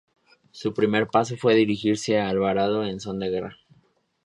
Su primer paso fue dirigirse a Alvarado en son de guerra.